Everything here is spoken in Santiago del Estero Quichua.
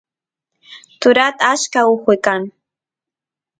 turat achka ujuy kan